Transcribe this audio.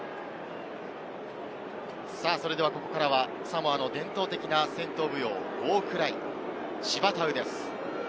それではここからはサモアの伝統的な戦闘舞踊ウォークライ、シヴァタウです。